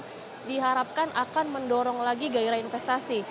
yang diharapkan akan mendorong lagi gairah investasi